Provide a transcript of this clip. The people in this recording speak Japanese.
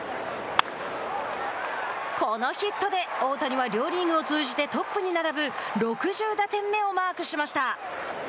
このヒットで大谷は両リーグを通じてトップに並ぶ６０打点目をマークしました。